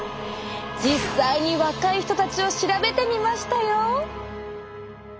実際に若い人たちを調べてみましたよ。